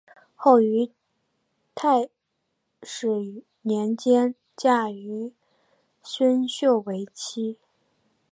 后于泰始年间嫁于孙秀为妻。